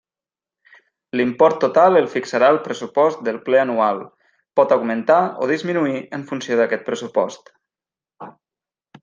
L'import total el fixarà el pressupost del ple anual, pot augmentar o disminuir en funció d'aquest pressupost.